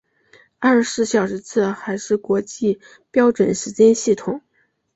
二十四小时制还是国际标准时间系统。